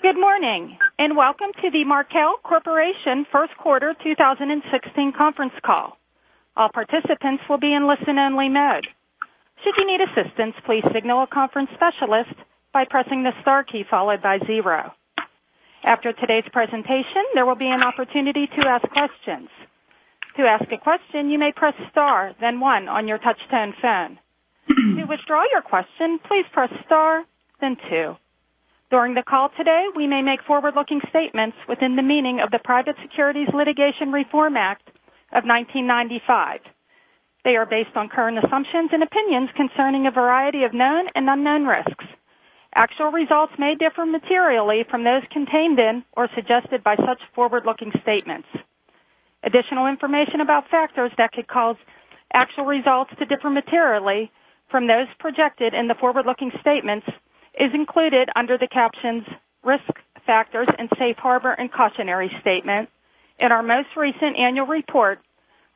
Good morning, and welcome to the Markel Corporation First Quarter 2016 conference call. All participants will be in listen only mode. Should you need assistance, please signal a conference specialist by pressing the star key followed by zero. After today's presentation, there will be an opportunity to ask questions. To ask a question, you may press star then one on your touch-tone phone. To withdraw your question, please press star then two. During the call today, we may make forward-looking statements within the meaning of the Private Securities Litigation Reform Act of 1995. They are based on current assumptions and opinions concerning a variety of known and unknown risks. Actual results may differ materially from those contained in or suggested by such forward-looking statements. Additional information about factors that could cause actual results to differ materially from those projected in the forward-looking statements is included under the captions risk factors and safe harbor and cautionary statement in our most recent annual report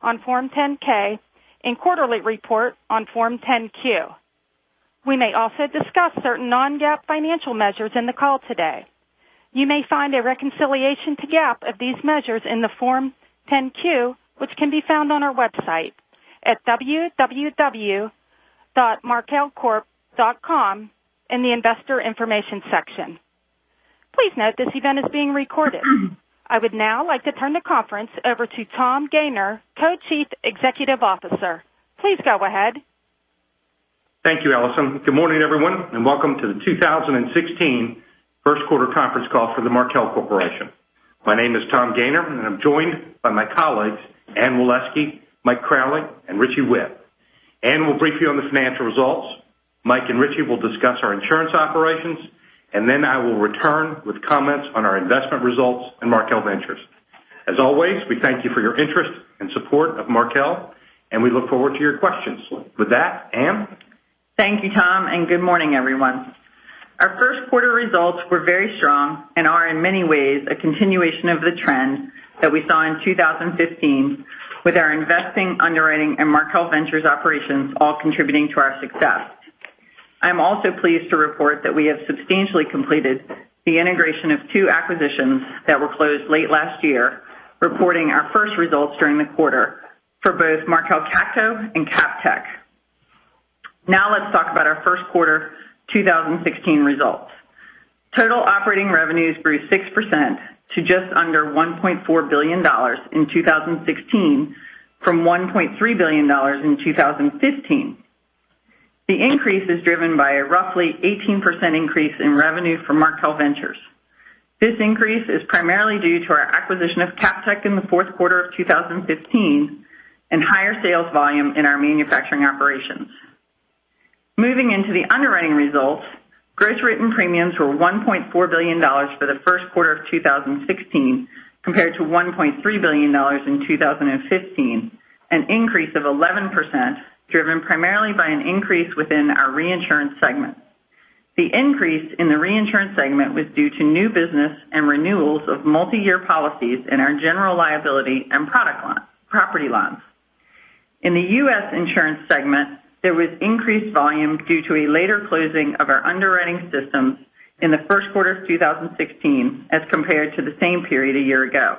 on Form 10-K and quarterly report on Form 10-Q. We may also discuss certain non-GAAP financial measures in the call today. You may find a reconciliation to GAAP of these measures in the Form 10-Q, which can be found on our website at www.markelcorp.com in the investor information section. Please note this event is being recorded. I would now like to turn the conference over to Tom Gayner, Co-Chief Executive Officer. Please go ahead. Thank you, Allison. Good morning, everyone, and welcome to the 2016 first quarter conference call for Markel Corporation. My name is Tom Gayner, and I am joined by my colleagues, Anne Waleski, Mike Crowley, and Richie Whitt. Anne will brief you on the financial results. Mike and Richie will discuss our insurance operations, and then I will return with comments on our investment results and Markel Ventures. As always, we thank you for your interest and support of Markel, and we look forward to your questions. With that, Anne. Thank you, Tom, and good morning, everyone. Our first quarter results were very strong and are in many ways a continuation of the trend that we saw in 2015 with our investing, underwriting, and Markel Ventures operations all contributing to our success. I am also pleased to report that we have substantially completed the integration of two acquisitions that were closed late last year, reporting our first results during the quarter for both Markel CATCo and CapTech. Now let's talk about our first quarter 2016 results. Total operating revenues grew 6% to just under $1.4 billion in 2016 from $1.3 billion in 2015. The increase is driven by a roughly 18% increase in revenue from Markel Ventures. This increase is primarily due to our acquisition of CapTech in the fourth quarter of 2015 and higher sales volume in our manufacturing operations. Moving into the underwriting results, gross written premiums were $1.4 billion for the first quarter of 2016 compared to $1.3 billion in 2015, an increase of 11%, driven primarily by an increase within our reinsurance segment. The increase in the reinsurance segment was due to new business and renewals of multi-year policies in our general liability and property lines. In the U.S. insurance segment, there was increased volume due to a later closing of our underwriting systems in the first quarter of 2016 as compared to the same period a year ago.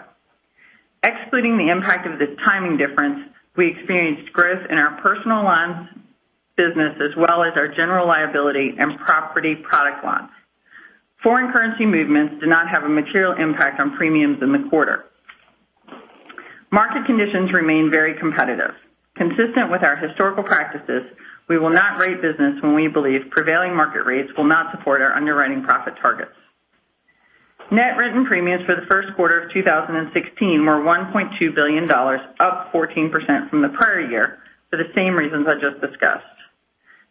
Excluding the impact of this timing difference, we experienced growth in our personal lines business as well as our general liability and property product lines. Foreign currency movements did not have a material impact on premiums in the quarter. Market conditions remain very competitive. Consistent with our historical practices, we will not rate business when we believe prevailing market rates will not support our underwriting profit targets. Net written premiums for the first quarter of 2016 were $1.2 billion, up 14% from the prior year for the same reasons I just discussed.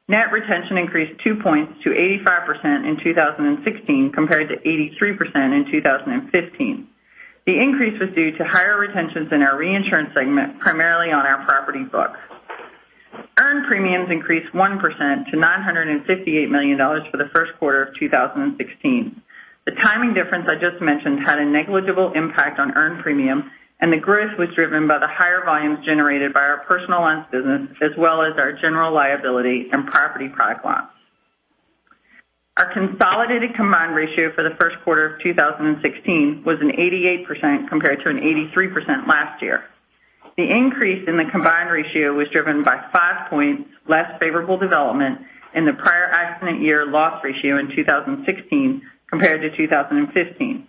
Net retention increased two points to 85% in 2016 compared to 83% in 2015. The increase was due to higher retentions in our reinsurance segment, primarily on our property books. Earned premiums increased 1% to $958 million for the first quarter of 2016. The timing difference I just mentioned had a negligible impact on earned premium. The growth was driven by the higher volumes generated by our personal lines business as well as our general liability and property product lines. Our consolidated combined ratio for the first quarter of 2016 was an 88% compared to an 83% last year. The increase in the combined ratio was driven by five points less favorable development in the prior accident year loss ratio in 2016 compared to 2015.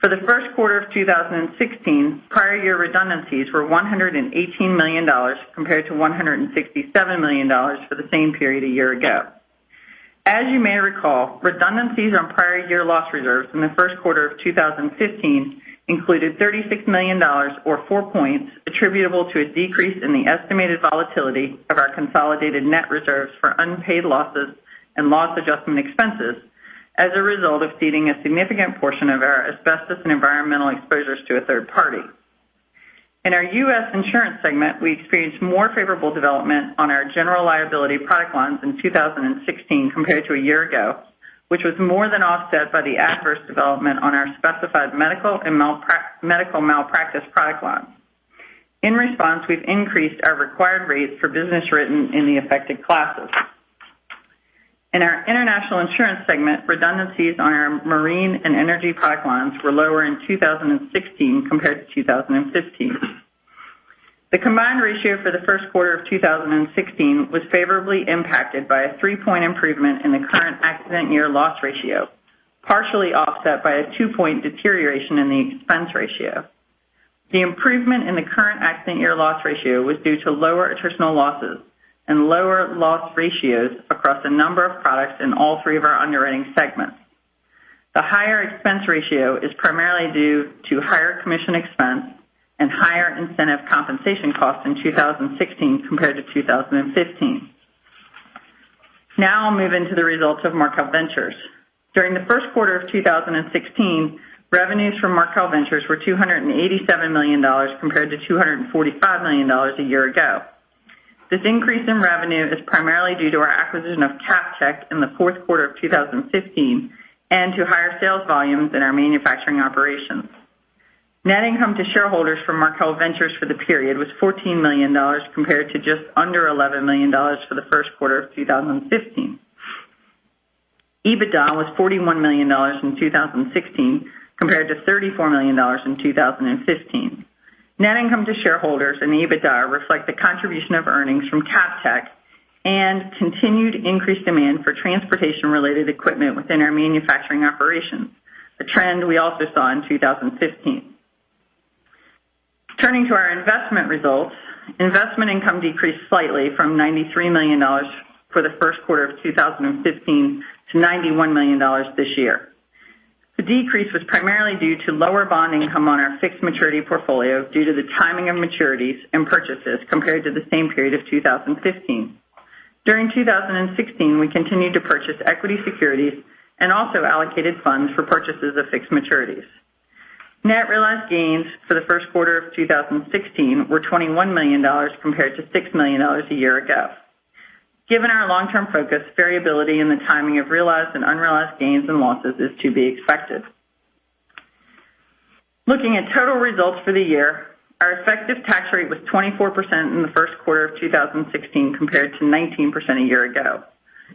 For the first quarter of 2016, prior year redundancies were $118 million compared to $167 million for the same period a year ago. As you may recall, redundancies on prior year loss reserves in the first quarter of 2015 included $36 million or four points attributable to a decrease in the estimated volatility of our consolidated net reserves for unpaid losses and loss adjustment expenses as a result of ceding a significant portion of our asbestos and environmental exposures to a third party. In our U.S. insurance segment, we experienced more favorable development on our general liability product lines in 2016 compared to a year ago, which was more than offset by the adverse development on our specified medical and medical malpractice product lines. In response, we've increased our required rates for business written in the affected classes. In our International Insurance segment, redundancies on our marine and energy product lines were lower in 2016 compared to 2015. The combined ratio for the first quarter of 2016 was favorably impacted by a three-point improvement in the current accident year loss ratio, partially offset by a two-point deterioration in the expense ratio. The improvement in the current accident year loss ratio was due to lower attritional losses and lower loss ratios across a number of products in all three of our underwriting segments. The higher expense ratio is primarily due to higher commission expense and higher incentive compensation costs in 2016 compared to 2015. I'll move into the results of Markel Ventures. During the first quarter of 2016, revenues from Markel Ventures were $287 million compared to $245 million a year ago. This increase in revenue is primarily due to our acquisition of CapTech in the fourth quarter of 2015 and to higher sales volumes in our manufacturing operations. Net income to shareholders from Markel Ventures for the period was $14 million, compared to just under $11 million for the first quarter of 2015. EBITDA was $41 million in 2016 compared to $34 million in 2015. Net income to shareholders and the EBITDA reflect the contribution of earnings from CapTech and continued increased demand for transportation-related equipment within our manufacturing operations, a trend we also saw in 2015. Turning to our investment results, investment income decreased slightly from $93 million for the first quarter of 2015 to $91 million this year. The decrease was primarily due to lower bond income on our fixed maturity portfolio due to the timing of maturities and purchases compared to the same period of 2015. During 2016, we continued to purchase equity securities and also allocated funds for purchases of fixed maturities. Net realized gains for the first quarter of 2016 were $21 million compared to $6 million a year ago. Given our long-term focus, variability in the timing of realized and unrealized gains and losses is to be expected. Looking at total results for the year, our effective tax rate was 24% in the first quarter of 2016 compared to 19% a year ago.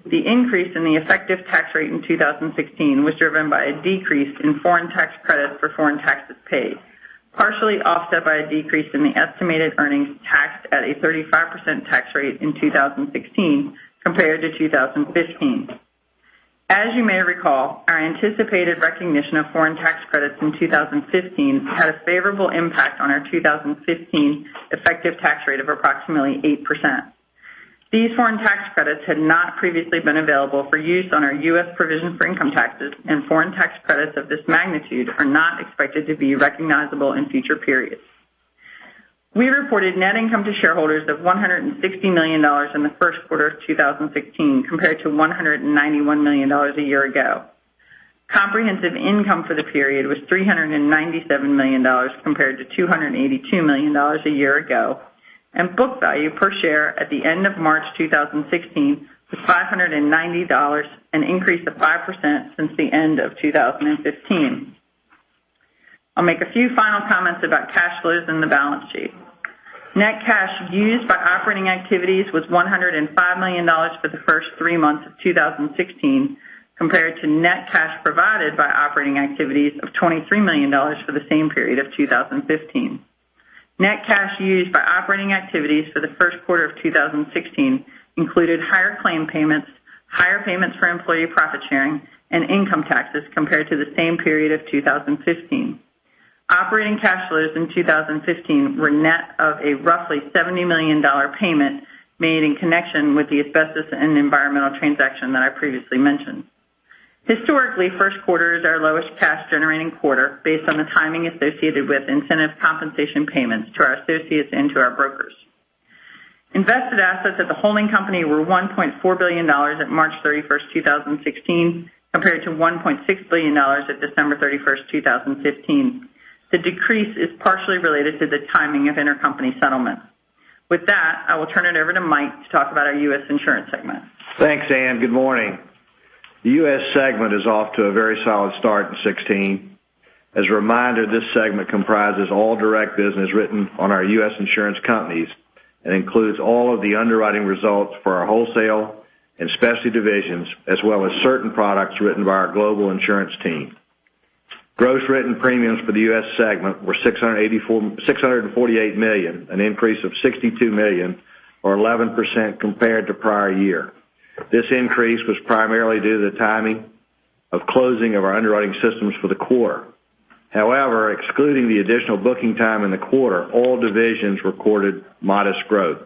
The increase in the effective tax rate in 2016 was driven by a decrease in foreign tax credits for foreign taxes paid, partially offset by a decrease in the estimated earnings taxed at a 35% tax rate in 2016 compared to 2015. As you may recall, our anticipated recognition of foreign tax credits in 2015 had a favorable impact on our 2015 effective tax rate of approximately 8%. These foreign tax credits had not previously been available for use on our U.S. provision for income taxes. Foreign tax credits of this magnitude are not expected to be recognizable in future periods. We reported net income to shareholders of $160 million in the first quarter of 2016 compared to $191 million a year ago. Comprehensive income for the period was $397 million compared to $282 million a year ago, and book value per share at the end of March 2016 was $590, an increase of 5% since the end of 2015. I'll make a few final comments about cash flows and the balance sheet. Net cash used by operating activities was $105 million for the first three months of 2016 compared to net cash provided by operating activities of $23 million for the same period of 2015. Net cash used by operating activities for the first quarter of 2016 included higher claim payments, higher payments for employee profit sharing, and income taxes compared to the same period of 2015. Operating cash flows in 2015 were net of a roughly $70 million payment made in connection with the asbestos and environmental transaction that I previously mentioned. Historically, first quarter is our lowest cash-generating quarter based on the timing associated with incentive compensation payments to our associates and to our brokers. Invested assets at the holding company were $1.4 billion at March 31st, 2016, compared to $1.6 billion at December 31st, 2015. The decrease is partially related to the timing of intercompany settlements. With that, I will turn it over to Mike to talk about our U.S. Insurance segment. Thanks, Anne. Good morning. The U.S. segment is off to a very solid start in 2016. As a reminder, this segment comprises all direct business written on our U.S. insurance companies and includes all of the underwriting results for our wholesale and specialty divisions, as well as certain products written by our global insurance team. Gross written premiums for the U.S. segment were $648 million, an increase of $62 million or 11% compared to prior year. This increase was primarily due to the timing of closing of our underwriting systems for the quarter. However, excluding the additional booking time in the quarter, all divisions recorded modest growth.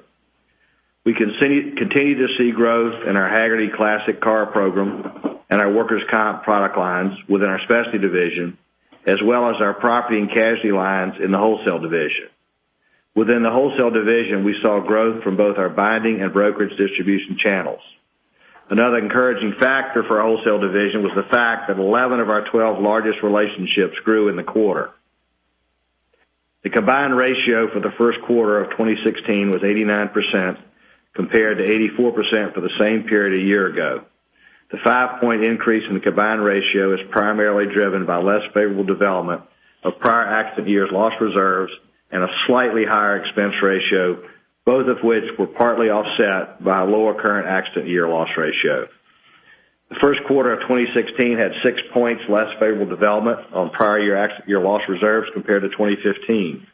We continue to see growth in our Hagerty Classic Car program and our workers' comp product lines within our specialty division, as well as our property and casualty lines in the wholesale division. Within the wholesale division, we saw growth from both our binding and brokerage distribution channels. Another encouraging factor for our wholesale division was the fact that 11 of our 12 largest relationships grew in the quarter. The combined ratio for the first quarter of 2016 was 89%, compared to 84% for the same period a year ago. The five-point increase in the combined ratio is primarily driven by less favorable development of prior accident year loss reserves, and a slightly higher expense ratio, both of which were partly offset by a lower current accident year loss ratio. The first quarter of 2016 had six points less favorable development on prior accident year loss reserves compared to 2015.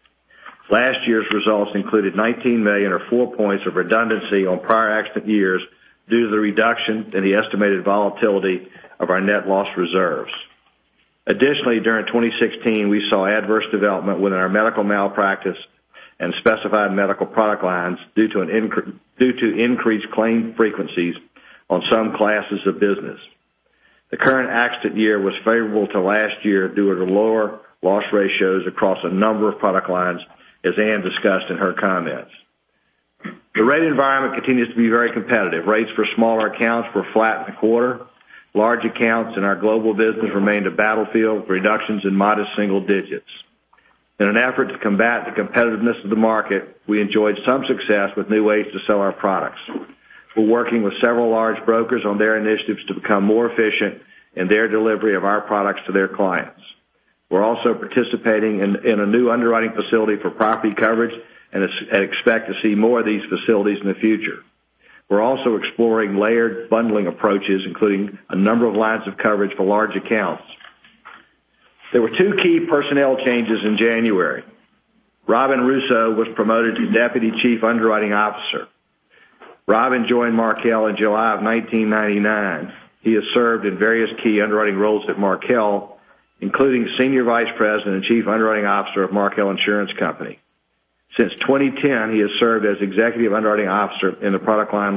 Last year's results included $19 million or four points of redundancy on prior accident years due to the reduction in the estimated volatility of our net loss reserves. Additionally, during 2016, we saw adverse development within our medical malpractice and specified medical product lines due to increased claim frequencies on some classes of business. The current accident year was favorable to last year due to lower loss ratios across a number of product lines, as Anne discussed in her comments. The rate environment continues to be very competitive. Rates for smaller accounts were flat in the quarter. Large accounts in our global business remained a battlefield, with reductions in modest single digits. In an effort to combat the competitiveness of the market, we enjoyed some success with new ways to sell our products. We're working with several large brokers on their initiatives to become more efficient in their delivery of our products to their clients. We're also participating in a new underwriting facility for property coverage and expect to see more of these facilities in the future. We're also exploring layered bundling approaches, including a number of lines of coverage for large accounts. There were two key personnel changes in January. Robin Russo was promoted to Deputy Chief Underwriting Officer. Robin joined Markel in July of 1999. He has served in various key underwriting roles at Markel, including Senior Vice President and Chief Underwriting Officer of Markel Insurance Company. Since 2010, he has served as Executive Underwriting Officer in the Product Line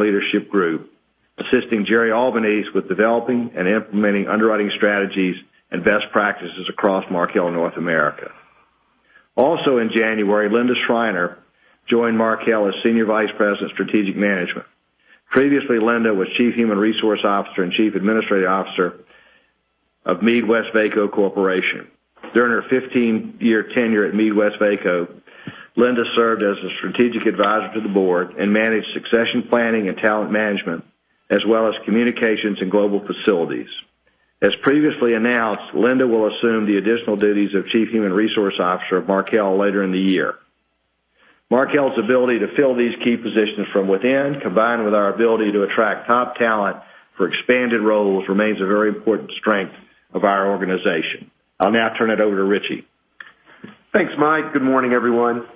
Group, assisting Gerard Albanese with developing and implementing underwriting strategies and best practices across Markel North America. Also in January, Linda Schreiner joined Markel as Senior Vice President of Strategic Management. Previously, Linda was Chief Human Resource Officer and Chief Administrative Officer of MeadWestvaco Corporation. During her 15-year tenure at MeadWestvaco, Linda served as a strategic advisor to the board and managed succession planning and talent management, as well as communications and global facilities. As previously announced, Linda will assume the additional duties of Chief Human Resource Officer of Markel later in the year. Markel's ability to fill these key positions from within, combined with our ability to attract top talent for expanded roles, remains a very important strength of our organization. I'll now turn it over to Richie. Thanks, Mike. Good morning, everyone.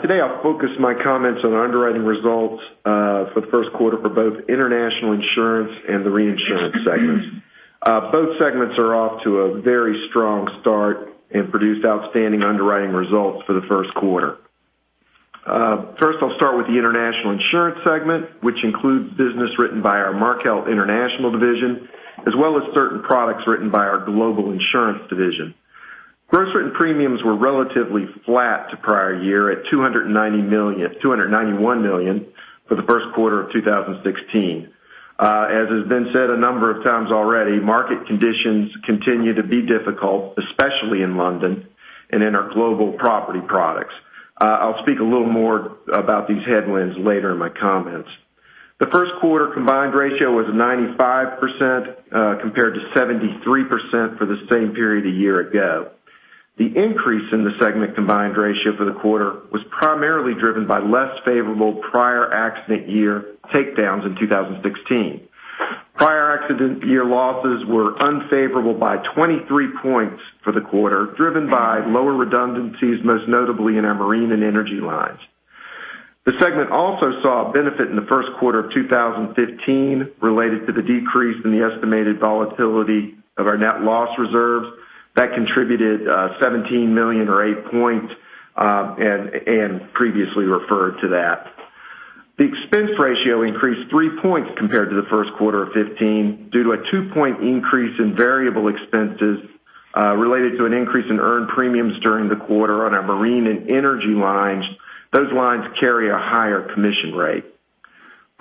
Today, I'll focus my comments on underwriting results for the first quarter for both international insurance and the reinsurance segments. Both segments are off to a very strong start and produced outstanding underwriting results for the first quarter. First, I'll start with the international insurance segment, which includes business written by our Markel International division, as well as certain products written by our global insurance division. Gross written premiums were relatively flat to prior year at $291 million for the first quarter of 2016. As has been said a number of times already, market conditions continue to be difficult, especially in London and in our global property products. I'll speak a little more about these headwinds later in my comments. The first quarter combined ratio was 95%, compared to 73% for the same period a year ago. The increase in the segment combined ratio for the quarter was primarily driven by less favorable prior accident year takedowns in 2016. Prior accident year losses were unfavorable by 23 points for the quarter, driven by lower redundancies, most notably in our marine and energy lines. The segment also saw a benefit in the first quarter of 2015 related to the decrease in the estimated volatility of our net loss reserves. That contributed $17 million or eight points, and previously referred to that. The expense ratio increased three points compared to the first quarter of 2015 due to a two-point increase in variable expenses related to an increase in earned premiums during the quarter on our marine and energy lines. Those lines carry a higher commission rate.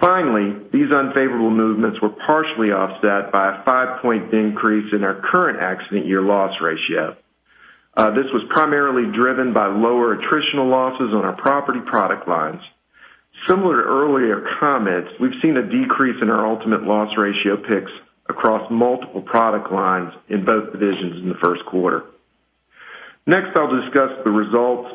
Finally, these unfavorable movements were partially offset by a five-point increase in our current accident year loss ratio. This was primarily driven by lower attritional losses on our property product lines. Similar to earlier comments, we've seen a decrease in our ultimate loss ratio picks across multiple product lines in both divisions in the first quarter. Next, I'll discuss the results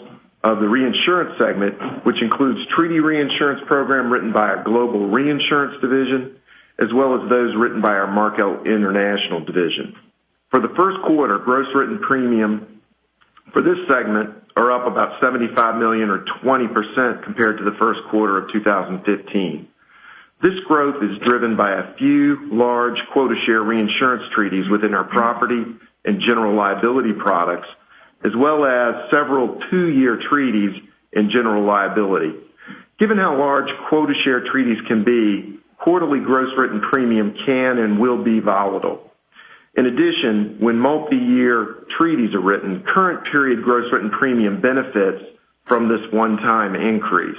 of the reinsurance segment, which includes treaty reinsurance program written by our global reinsurance division, as well as those written by our Markel International division. For the first quarter, gross written premium for this segment are up about $75 million or 20% compared to the first quarter of 2015. This growth is driven by a few large quota share reinsurance treaties within our property and general liability products, as well as several two-year treaties in general liability. Given how large quota share treaties can be, quarterly gross written premium can and will be volatile. In addition, when multi-year treaties are written, current period gross written premium benefits from this one-time increase.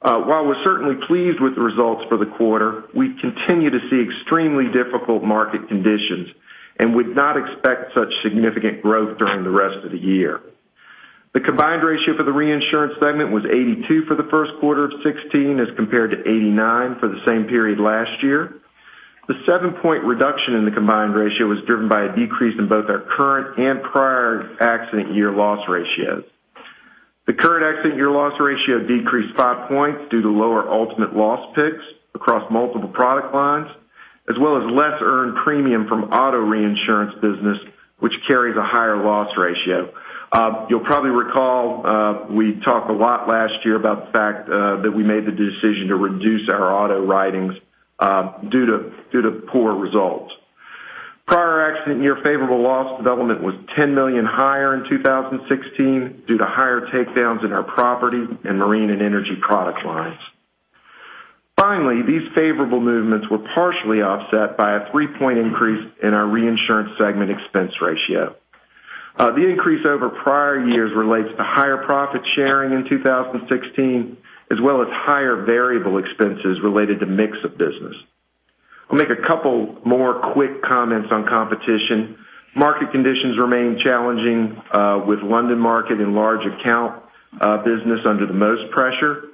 While we're certainly pleased with the results for the quarter, we continue to see extremely difficult market conditions and would not expect such significant growth during the rest of the year. The combined ratio for the reinsurance segment was 82% for the first quarter of 2016 as compared to 89% for the same period last year. The seven-point reduction in the combined ratio was driven by a decrease in both our current and prior accident year loss ratios. The current accident year loss ratio decreased five points due to lower ultimate loss picks across multiple product lines, as well as less earned premium from auto reinsurance business, which carries a higher loss ratio. You'll probably recall, we talked a lot last year about the fact that we made the decision to reduce our auto writings due to poor results. Prior accident year favorable loss development was $10 million higher in 2016 due to higher takedowns in our property and marine and energy product lines. Finally, these favorable movements were partially offset by a three-point increase in our reinsurance segment expense ratio. The increase over prior years relates to higher profit sharing in 2016, as well as higher variable expenses related to mix of business. I'll make a couple more quick comments on competition. Market conditions remain challenging, with London Market and large account business under the most pressure.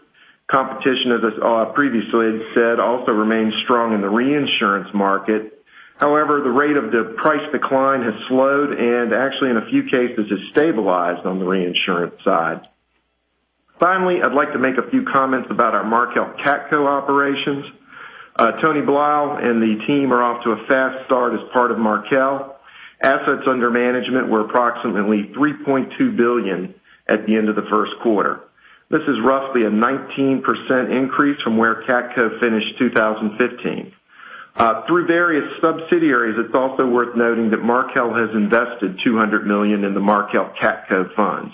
Competition, as I previously had said, also remains strong in the reinsurance market. The rate of the price decline has slowed and actually, in a few cases, has stabilized on the reinsurance side. Finally, I'd like to make a few comments about our Markel CATCo operations. Anthony Belisle and the team are off to a fast start as part of Markel. Assets under management were approximately $3.2 billion at the end of the first quarter. This is roughly a 19% increase from where CATCo finished 2015. Through various subsidiaries, it's also worth noting that Markel has invested $200 million in the Markel CATCo funds.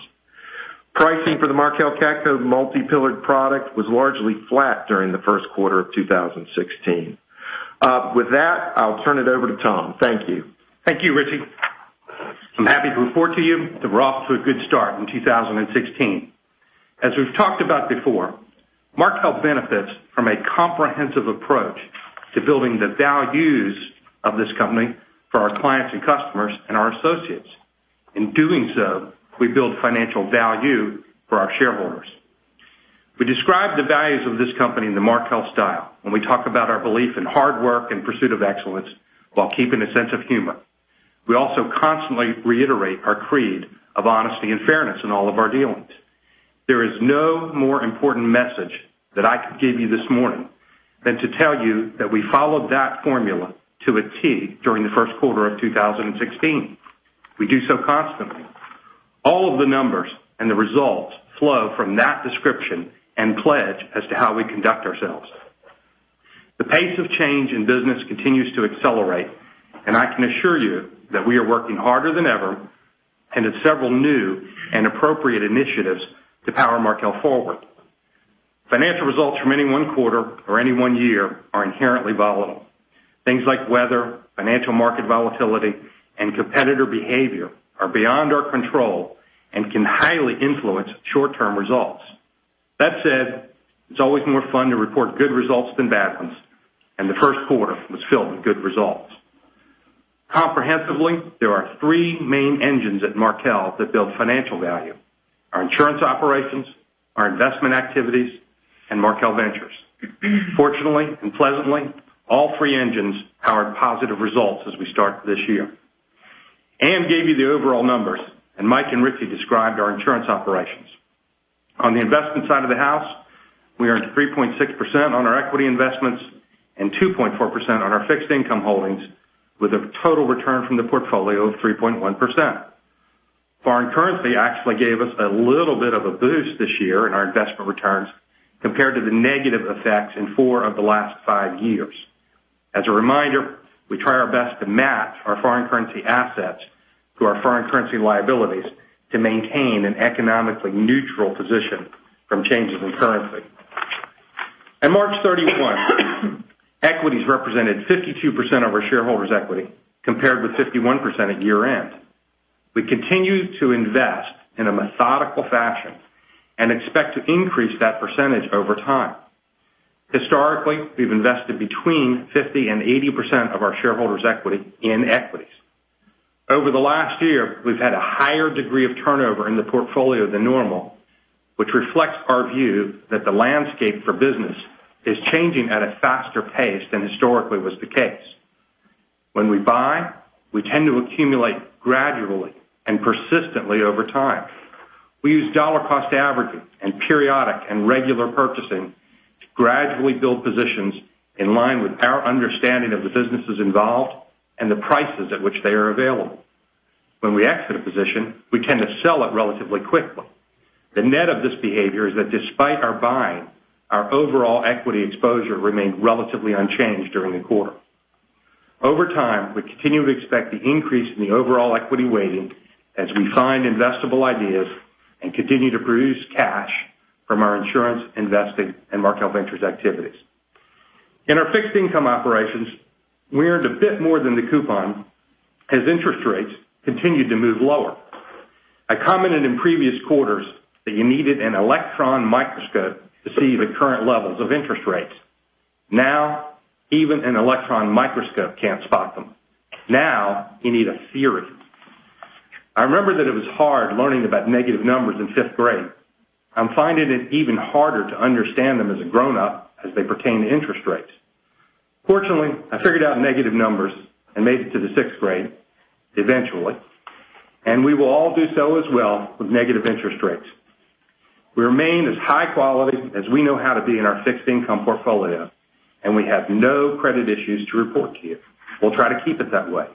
Pricing for the Markel CATCo multi-peril product was largely flat during the first quarter of 2016. With that, I'll turn it over to Tom. Thank you. Thank you, Richie. I'm happy to report to you that we're off to a good start in 2016. As we've talked about before, Markel benefits from a comprehensive approach to building the values of this company for our clients and customers and our associates. In doing so, we build financial value for our shareholders. We describe the values of this company in the Markel Style when we talk about our belief in hard work and pursuit of excellence while keeping a sense of humor. We also constantly reiterate our creed of honesty and fairness in all of our dealings. There is no more important message that I could give you this morning than to tell you that we followed that formula to a T during the first quarter of 2016. We do so constantly. All of the numbers and the results flow from that description and pledge as to how we conduct ourselves. The pace of change in business continues to accelerate, and I can assure you that we are working harder than ever and have several new and appropriate initiatives to power Markel Group forward. Financial results from any one quarter or any one year are inherently volatile. Things like weather, financial market volatility, and competitor behavior are beyond our control and can highly influence short-term results. That said, it's always more fun to report good results than bad ones, and the first quarter was filled with good results. Comprehensively, there are three main engines at Markel Group that build financial value: our insurance operations, our investment activities, and Markel Ventures. Fortunately and pleasantly, all three engines powered positive results as we start this year. Anne gave you the overall numbers, and Mike and Richie described our insurance operations. On the investment side of the house, we earned 3.6% on our equity investments and 2.4% on our fixed income holdings, with a total return from the portfolio of 3.1%. Foreign currency actually gave us a little bit of a boost this year in our investment returns compared to the negative effects in four of the last five years. As a reminder, we try our best to match our foreign currency assets to our foreign currency liabilities to maintain an economically neutral position from changes in currency. On March 31, equities represented 52% of our shareholders' equity, compared with 51% at year-end. We continue to invest in a methodical fashion and expect to increase that percentage over time. Historically, we've invested between 50 and 80% of our shareholders' equity in equities. Over the last year, we've had a higher degree of turnover in the portfolio than normal, which reflects our view that the landscape for business is changing at a faster pace than historically was the case. When we buy, we tend to accumulate gradually and persistently over time. We use dollar-cost averaging and periodic and regular purchasing to gradually build positions in line with our understanding of the businesses involved and the prices at which they are available. When we exit a position, we tend to sell it relatively quickly. The net of this behavior is that despite our buying, our overall equity exposure remained relatively unchanged during the quarter. Over time, we continue to expect the increase in the overall equity weighting as we find investable ideas and continue to produce cash from our insurance, investing, and Markel Ventures activities. In our fixed income operations, we earned a bit more than the coupon as interest rates continued to move lower. I commented in previous quarters that you needed an electron microscope to see the current levels of interest rates. Now, even an electron microscope can't spot them. Now you need a theory. I remember that it was hard learning about negative numbers in fifth grade. I'm finding it even harder to understand them as a grownup as they pertain to interest rates. Fortunately, I figured out negative numbers and made it to the sixth grade, eventually. We will all do so as well with negative interest rates. We remain as high quality as we know how to be in our fixed income portfolio, and we have no credit issues to report to you. We'll try to keep it that way.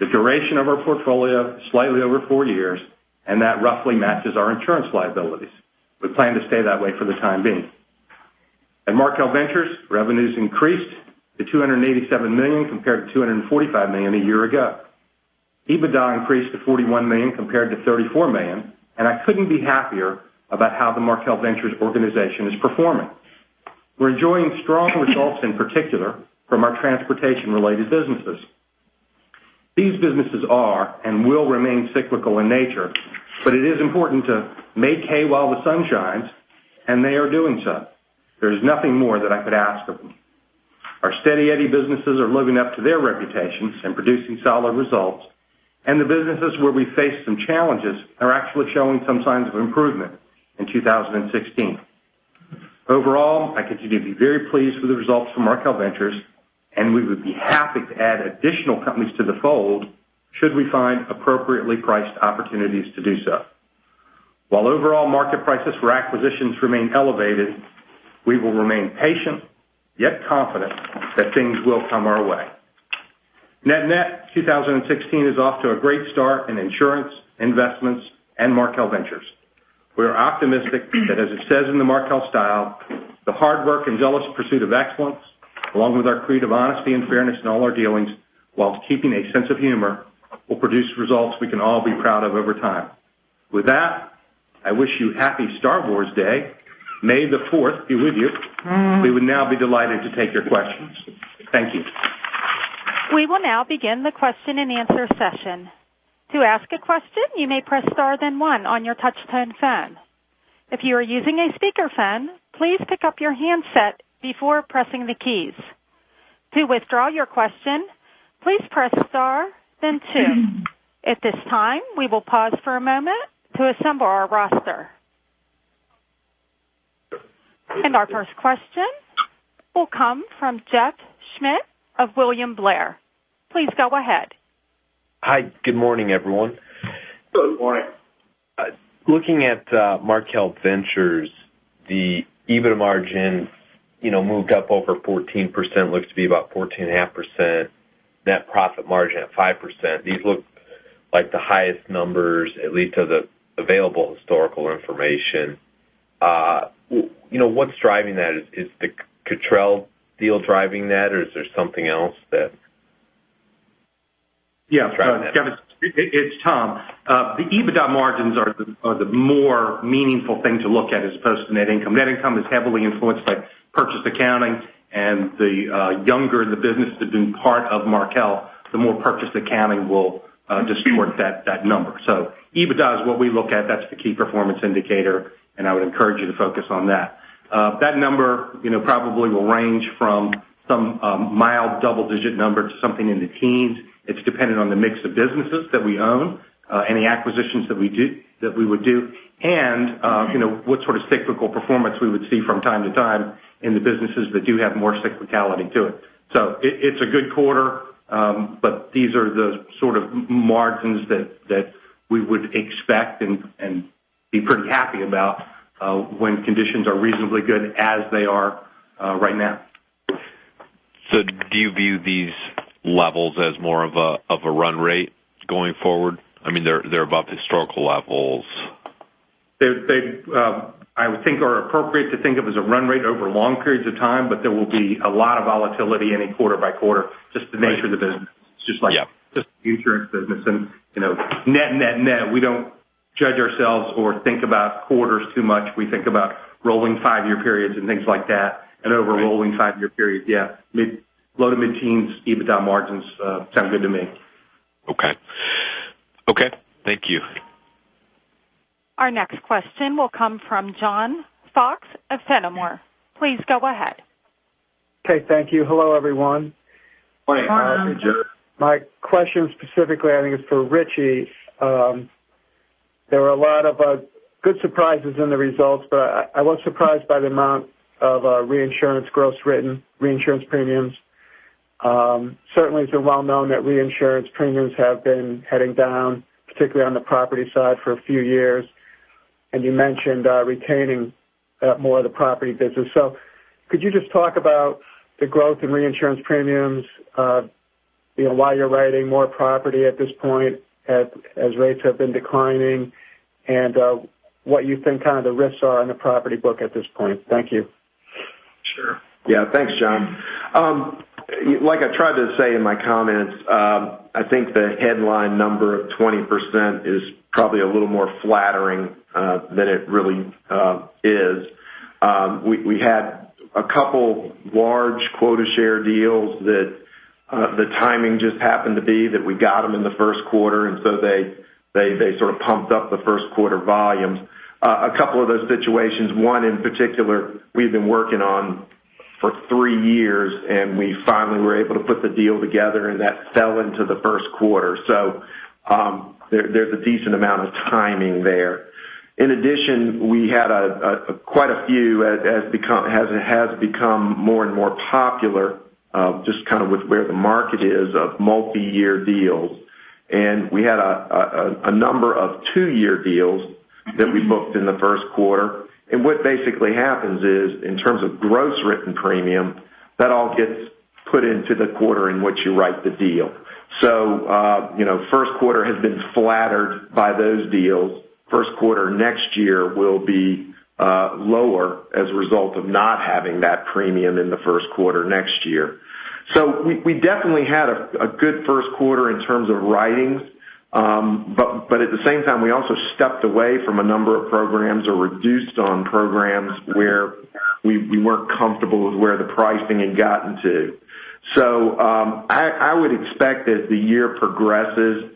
The duration of our portfolio, slightly over four years, that roughly matches our insurance liabilities. We plan to stay that way for the time being. At Markel Ventures, revenues increased to $287 million compared to $245 million a year ago. EBITDA increased to $41 million compared to $34 million. I couldn't be happier about how the Markel Ventures organization is performing. We're enjoying strong results in particular from our transportation related businesses. These businesses are and will remain cyclical in nature, it is important to make hay while the sun shines, they are doing so. There's nothing more that I could ask of them. Our steady Eddie businesses are living up to their reputations and producing solid results, the businesses where we face some challenges are actually showing some signs of improvement in 2016. Overall, I continue to be very pleased with the results from Markel Ventures, we would be happy to add additional companies to the fold, should we find appropriately priced opportunities to do so. While overall market prices for acquisitions remain elevated, we will remain patient, yet confident that things will come our way. Net-net 2016 is off to a great start in insurance, investments, Markel Ventures. We are optimistic that, as it says in the Markel Style, the hard work and jealous pursuit of excellence, along with our creed of honesty and fairness in all our dealings, whilst keeping a sense of humor, will produce results we can all be proud of over time. With that, I wish you Happy Star Wars Day. May the Fourth be with you. We would now be delighted to take your questions. Thank you. We will now begin the question and answer session. To ask a question, you may press star, then one on your touch-tone phone. If you are using a speakerphone, please pick up your handset before pressing the keys. To withdraw your question, please press star, then two. At this time, we will pause for a moment to assemble our roster. Our first question will come from Jeff Schmitt of William Blair. Please go ahead. Hi. Good morning, everyone. Good morning. Looking at Markel Ventures, the EBITDA margin moved up over 14%, looks to be about 14.5%. Net profit margin at 5%. These look like the highest numbers, at least of the available historical information. What's driving that? Is the Cottrell deal driving that, or is there something else? Yeah, Jeff, it's Tom. The EBITDA margins are the more meaningful thing to look at as opposed to net income. Net income is heavily influenced by purchase accounting and the younger the business that's been part of Markel, the more purchase accounting will distort that number. EBITDA is what we look at. That's the key performance indicator, and I would encourage you to focus on that. That number probably will range from some mild double-digit number to something in the teens. It's dependent on the mix of businesses that we own, any acquisitions that we would do, and what sort of cyclical performance we would see from time to time in the businesses that do have more cyclicality to it. It's a good quarter, but these are the sort of margins that we would expect and be pretty happy about, when conditions are reasonably good as they are right now. Do you view these levels as more of a run rate going forward? They're above historical levels. They, I would think, are appropriate to think of as a run rate over long periods of time, but there will be a lot of volatility in it quarter by quarter, just the nature of the business. Yeah. Just like the insurance business. Net-net-net, we don't judge ourselves or think about quarters too much. We think about rolling five-year periods and things like that, and over rolling five-year periods. Yeah. Low to mid-teens EBITDA margins sound good to me. Okay. Thank you. Our next question will come from John Fox of Fenimore. Please go ahead. Okay. Thank you. Hello, everyone. Good morning, John. My question specifically, I think, is for Richie. There were a lot of good surprises in the results, but I was surprised by the amount of reinsurance gross written, reinsurance premiums. Certainly, it is well known that reinsurance premiums have been heading down, particularly on the property side, for a few years, and you mentioned retaining more of the property business. Could you just talk about the growth in reinsurance premiums, why you are writing more property at this point as rates have been declining, and what you think the risks are in the property book at this point? Thank you. Sure. Yeah. Thanks, John. Like I tried to say in my comments, I think the headline number of 20% is probably a little more flattering than it really is. We had a couple large quota share deals that The timing just happened to be that we got them in the first quarter, they sort of pumped up the first quarter volumes. A couple of those situations, one in particular, we have been working on for three years, and we finally were able to put the deal together, and that fell into the first quarter. There is a decent amount of timing there. In addition, we had quite a few, as it has become more and more popular, just kind of with where the market is of multi-year deals. We had a number of two-year deals that we booked in the first quarter. What basically happens is, in terms of gross written premium, that all gets put into the quarter in which you write the deal. First quarter has been flattered by those deals. First quarter next year will be lower as a result of not having that premium in the first quarter next year. We definitely had a good first quarter in terms of writings. At the same time, we also stepped away from a number of programs or reduced on programs where we weren't comfortable with where the pricing had gotten to. I would expect as the year progresses,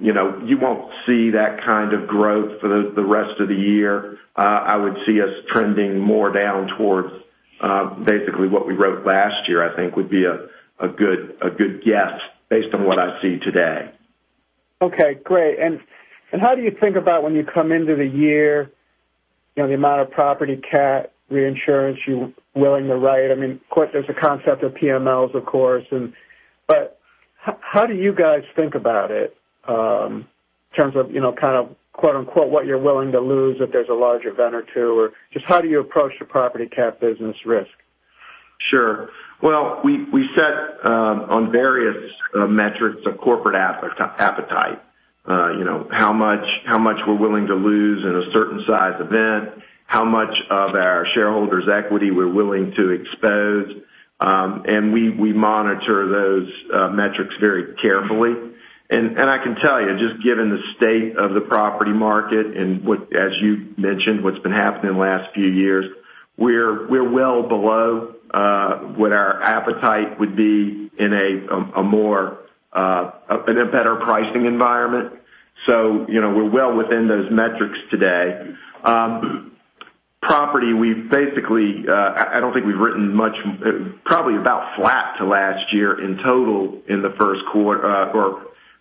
you won't see that kind of growth for the rest of the year. I would see us trending more down towards basically what we wrote last year, I think would be a good guess based on what I see today. Okay, great. How do you think about when you come into the year, the amount of property cat reinsurance you're willing to write? Of course, there's a concept of PMLs, of course. How do you guys think about it in terms of kind of quote, unquote, "What you're willing to lose if there's a large event or two?" Just how do you approach the property cat business risk? Sure. Well, we set on various metrics of corporate appetite. How much we're willing to lose in a certain size event, how much of our shareholders' equity we're willing to expose. We monitor those metrics very carefully. I can tell you, just given the state of the property market and as you mentioned, what's been happening in the last few years, we're well below what our appetite would be in a better pricing environment. We're well within those metrics today. Property, I don't think we've written much, probably about flat to last year in total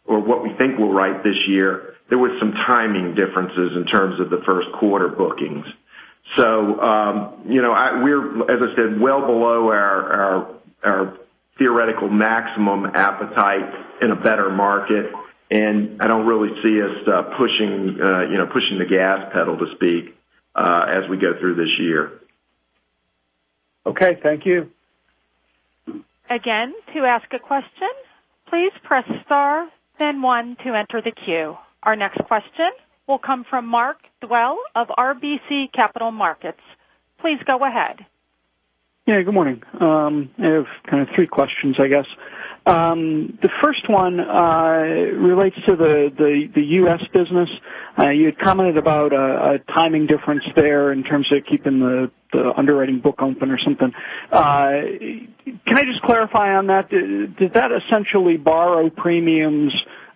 or what we think we'll write this year. There was some timing differences in terms of the first quarter bookings. We're, as I said, well below our theoretical maximum appetite in a better market, and I don't really see us pushing the gas pedal, to speak, as we go through this year. Okay. Thank you. Again, to ask a question, please press star, then one to enter the queue. Our next question will come from Mark Dwelle of RBC Capital Markets. Please go ahead. Yeah, good morning. I have kind of three questions, I guess. The first one relates to the U.S. business. You had commented about a timing difference there in terms of keeping the underwriting book open or something. Can I just clarify on that? Did that essentially borrow premiums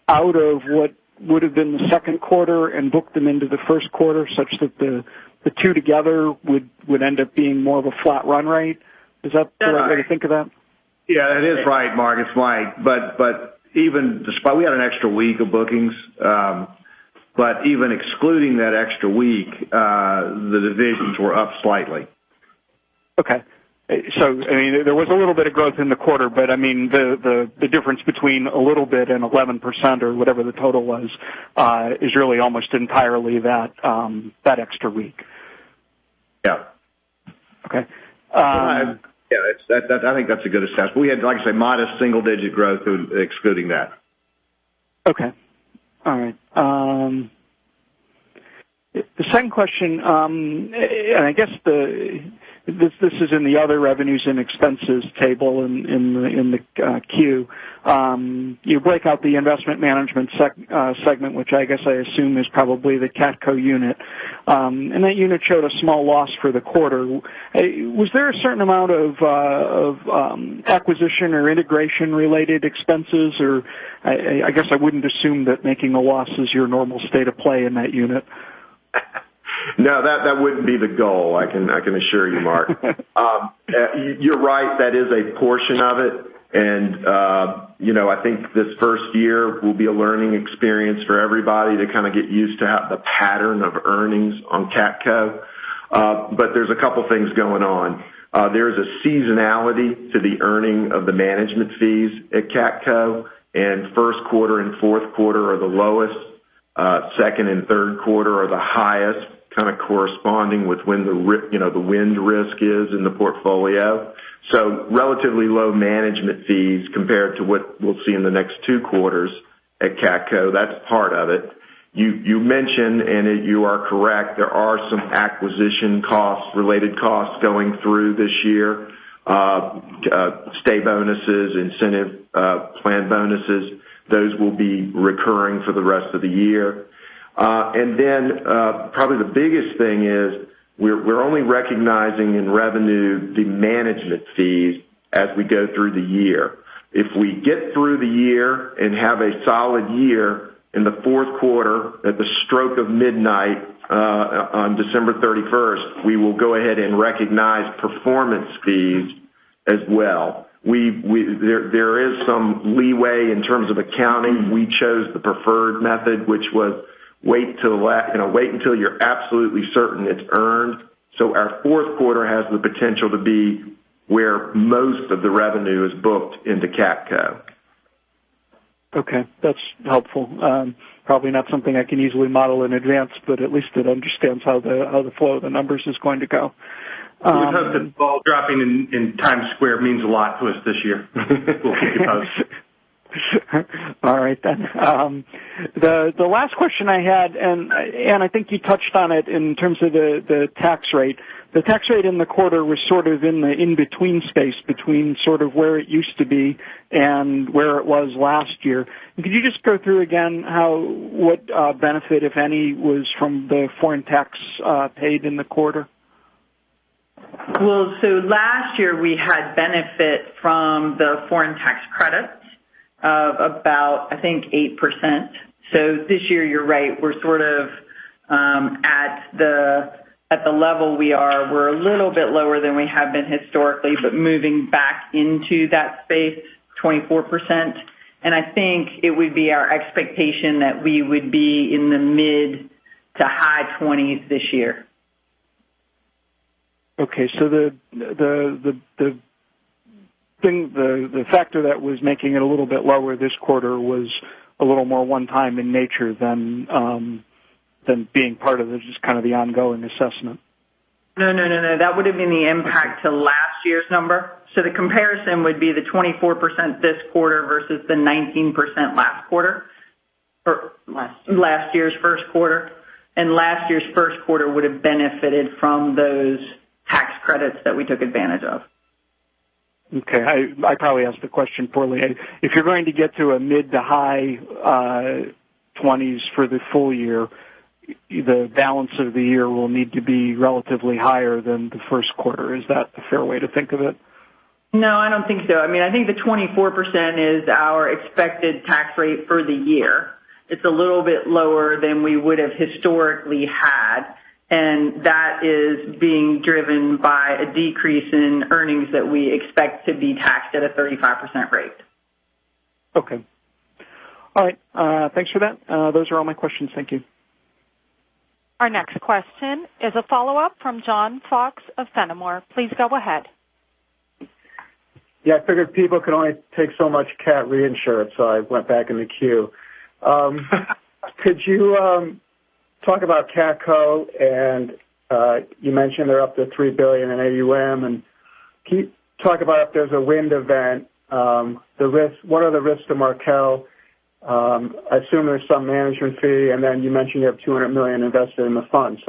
out of what would have been the second quarter and book them into the first quarter, such that the two together would end up being more of a flat run rate? Is that the right way to think of that? Yeah, that is right, Mark. It's light. We had an extra week of bookings. Even excluding that extra week, the divisions were up slightly. Okay. There was a little bit of growth in the quarter, the difference between a little bit and 11% or whatever the total was, is really almost entirely that extra week. Yeah. Okay. Yeah, I think that's a good assessment. We had, like I say, modest single-digit growth excluding that. Okay. All right. The second question, I guess this is in the other revenues and expenses table in the queue. You break out the investment management segment, which I guess I assume is probably the CATCo unit. That unit showed a small loss for the quarter. Was there a certain amount of acquisition or integration-related expenses? Or I guess I wouldn't assume that making a loss is your normal state of play in that unit. No, that wouldn't be the goal, I can assure you, Mark. You're right, that is a portion of it. I think this first year will be a learning experience for everybody to kind of get used to the pattern of earnings on CATCo. There's a couple things going on. There's a seasonality to the earning of the management fees at CATCo, and first quarter and fourth quarter are the lowest. Second and third quarter are the highest, kind of corresponding with when the wind risk is in the portfolio. Relatively low management fees compared to what we'll see in the next two quarters at CATCo. That's part of it. You mentioned, and you are correct, there are some acquisition costs, related costs going through this year. Staff bonuses, incentive plan bonuses, those will be recurring for the rest of the year. Probably the biggest thing is we're only recognizing in revenue the management fees as we go through the year. If we get through the year and have a solid year in the fourth quarter at the stroke of midnight on December 31st, we will go ahead and recognize performance fees as well. There is some leeway in terms of accounting. We chose the preferred method, which was wait until you're absolutely certain it's earned. Our fourth quarter has the potential to be where most of the revenue is booked into CATCo. Okay. That's helpful. Probably not something I can easily model in advance, but at least it understands how the flow of the numbers is going to go. We hope the ball dropping in Times Square means a lot to us this year because All right then. The last question I had, and I think you touched on it in terms of the tax rate. The tax rate in the quarter was sort of in the in-between space between sort of where it used to be and where it was last year. Could you just go through again what benefit, if any, was from the foreign tax paid in the quarter? Well, last year we had benefit from the foreign tax credits of about, I think, 8%. This year, you're right, we're sort of at the level we are. We're a little bit lower than we have been historically, but moving back into that space, 24%. I think it would be our expectation that we would be in the mid to high 20s this year. Okay. The factor that was making it a little bit lower this quarter was a little more one-time in nature than being part of just kind of the ongoing assessment. No, that would have been the impact to last year's number. The comparison would be the 24% this quarter versus the 19% last quarter. Last year. Last year's first quarter. Last year's first quarter would have benefited from those tax credits that we took advantage of. Okay. I probably asked the question poorly. If you're going to get to a mid to high 20s for the full year, the balance of the year will need to be relatively higher than the first quarter. Is that a fair way to think of it? No, I don't think so. I think the 24% is our expected tax rate for the year. It's a little bit lower than we would have historically had, and that is being driven by a decrease in earnings that we expect to be taxed at a 35% rate. Okay. All right. Thanks for that. Those are all my questions. Thank you. Our next question is a follow-up from John Fox of Fenimore. Please go ahead. Yeah, I figured people can only take so much cat reinsurance, so I went back in the queue. Could you talk about CATCo? You mentioned they're up to $3 billion in AUM. Can you talk about if there's a wind event, what are the risks to Markel Group? I assume there's some management fee, then you mentioned you have $200 million invested in the fund.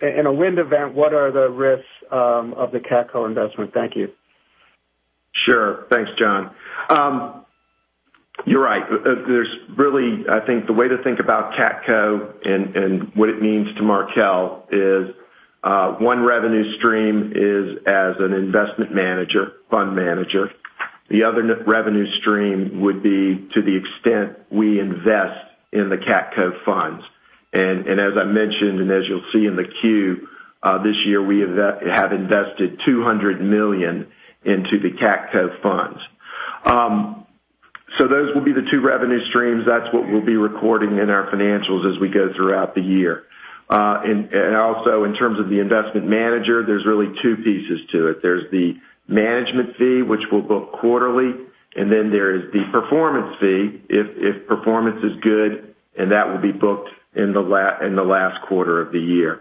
In a wind event, what are the risks of the CATCo investment? Thank you. Sure. Thanks, John. You're right. I think the way to think about CATCo and what it means to Markel Group is one revenue stream is as an investment manager, fund manager. The other revenue stream would be to the extent we invest in the CATCo funds. As I mentioned, as you'll see in the queue, this year we have invested $200 million into the CATCo funds. Those will be the two revenue streams. That's what we'll be recording in our financials as we go throughout the year. Also in terms of the investment manager, there's really two pieces to it. There's the management fee, which we'll book quarterly, then there is the performance fee if performance is good, that will be booked in the last quarter of the year.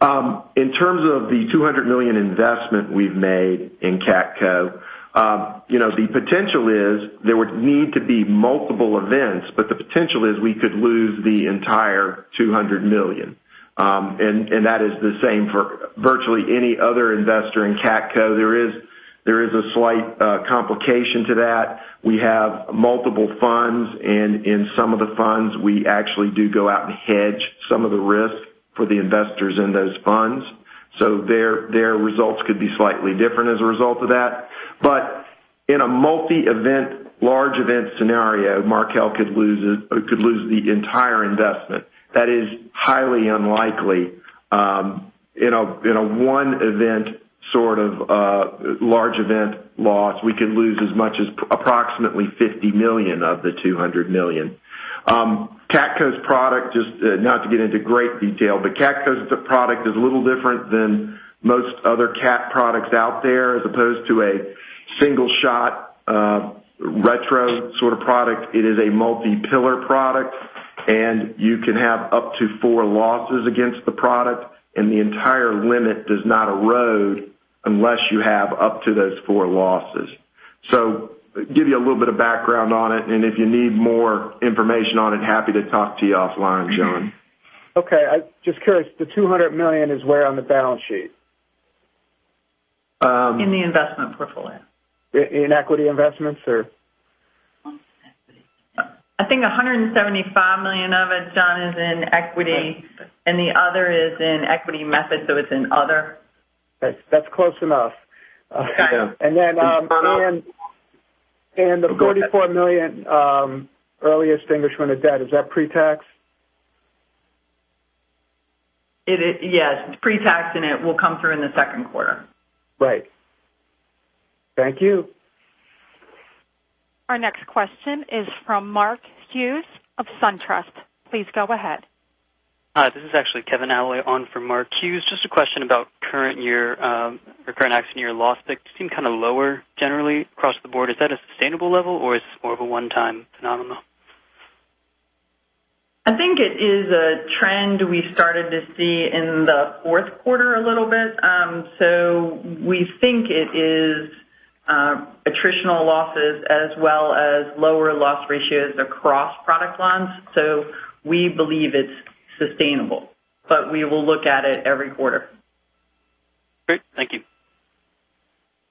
In terms of the $200 million investment we've made in CATCo, the potential is there would need to be multiple events, the potential is we could lose the entire $200 million. That is the same for virtually any other investor in CATCo. There is a slight complication to that. We have multiple funds, in some of the funds, we actually do go out and hedge some of the risk for the investors in those funds. Their results could be slightly different as a result of that. In a multi-event, large event scenario, Markel Group could lose the entire investment. That is highly unlikely. In a one event, sort of large event loss, we could lose as much as approximately $50 million of the $200 million. CATCo's product, just not to get into great detail, CatCo's product is a little different than most other cat products out there, as opposed to a single shot retro sort of product. It is a multi-peril product, you can have up to four losses against the product, the entire limit does not erode unless you have up to those four losses. Give you a little bit of background on it, if you need more information on it, happy to talk to you offline, John. Okay. Just curious, the $200 million is where on the balance sheet? In the investment portfolio. In equity investments or? I think $175 million of it, John, is in equity, and the other is in equity method, so it's in other. That's close enough. Got it. Then, the $44 million early extinguishment of debt, is that pre-tax? Yes, it's pre-tax, and it will come through in the second quarter. Right. Thank you. Our next question is from Mark Hughes of SunTrust. Please go ahead. Hi, this is actually Kevin Alley on for Mark Hughes. Just a question about current accident year loss. They seem kind of lower generally across the board. Is that a sustainable level or is this more of a one-time phenomenon? I think it is a trend we started to see in the fourth quarter a little bit. We think it is attritional losses as well as lower loss ratios across product lines. We believe it's sustainable, but we will look at it every quarter. Great. Thank you.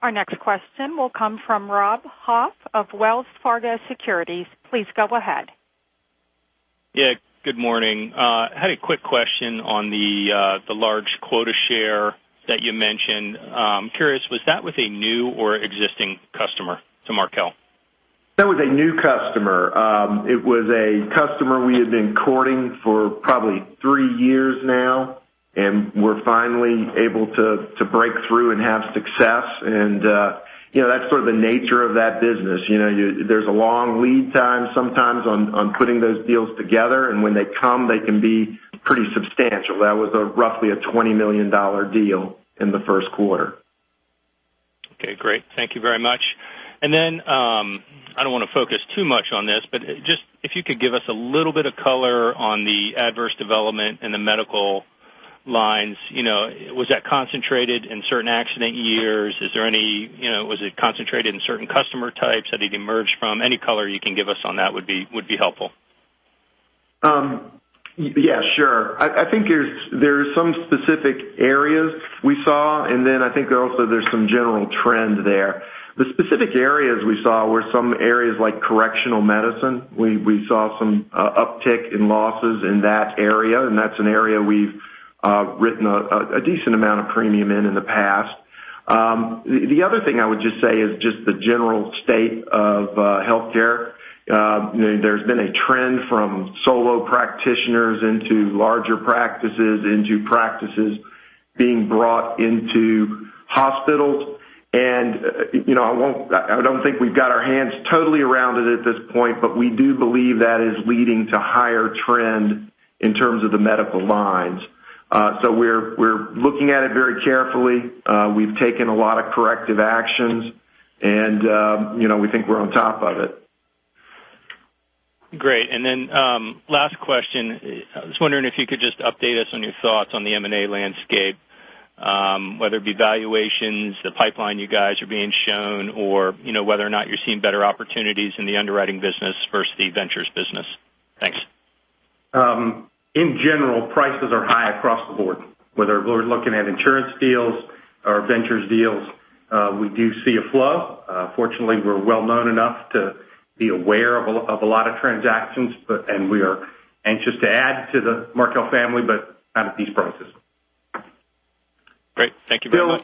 Our next question will come from Rob Hoff of Wells Fargo Securities. Please go ahead. Yeah, good morning. Had a quick question on the large quota share that you mentioned. I'm curious, was that with a new or existing customer to Markel? That was a new customer. It was a customer we had been courting for probably three years now, and we're finally able to break through and have success. That's sort of the nature of that business. There's a long lead time sometimes on putting those deals together, and when they come, they can be pretty substantial. That was roughly a $20 million deal in the first quarter. Okay, great. Thank you very much. I don't want to focus too much on this, but just if you could give us a little bit of color on the adverse development in the medical lines. Was that concentrated in certain accident years? Was it concentrated in certain customer types? Had it emerged from any color you can give us on that would be helpful. Yeah, sure. I think there's some specific areas we saw, and then I think also there's some general trend there. The specific areas we saw were some areas like correctional medicine. We saw some uptick in losses in that area, and that's an area we've written a decent amount of premium in in the past. The other thing I would just say is just the general state of healthcare. There's been a trend from solo practitioners into larger practices into practices being brought into hospitals. I don't think we've got our hands totally around it at this point, but we do believe that is leading to higher trend in terms of the medical lines. We're looking at it very carefully. We've taken a lot of corrective actions, and we think we're on top of it. Great. Last question. I was wondering if you could just update us on your thoughts on the M&A landscape, whether it be valuations, the pipeline you guys are being shown, or whether or not you're seeing better opportunities in the underwriting business versus the ventures business. Thanks. In general, prices are high across the board, whether we're looking at insurance deals or ventures deals. We do see a flow. Fortunately, we're well known enough to be aware of a lot of transactions, and we are anxious to add to the Markel family, but not at these prices. Great. Thank you very much.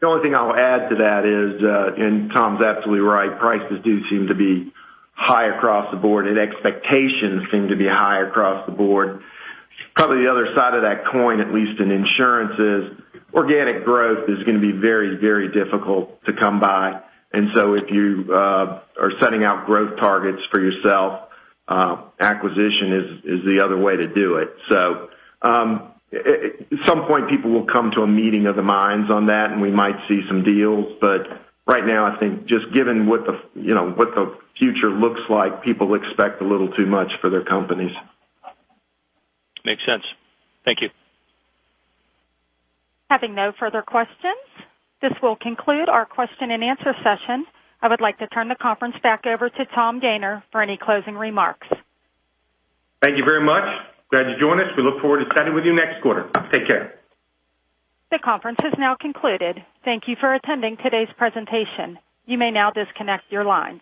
The only thing I'll add to that is, and Tom's absolutely right, prices do seem to be high across the board, and expectations seem to be high across the board. Probably the other side of that coin, at least in insurance, is organic growth is going to be very, very difficult to come by. If you are setting out growth targets for yourself, acquisition is the other way to do it. At some point, people will come to a meeting of the minds on that, and we might see some deals. Right now, I think just given what the future looks like, people expect a little too much for their companies. Makes sense. Thank you. Having no further questions, this will conclude our question and answer session. I would like to turn the conference back over to Tom Gayner for any closing remarks. Thank you very much. Glad you joined us. We look forward to chatting with you next quarter. Take care. The conference has now concluded. Thank you for attending today's presentation. You may now disconnect your lines.